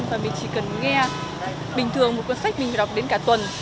và mình chỉ cần nghe bình thường một cuốn sách mình đọc đến cả tuần